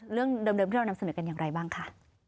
เรื่องเดิมที่เรานำเสนอกันอย่างไรบ้างคะ